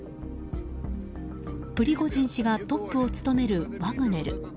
プリゴジン氏がトップを務めるワグネル。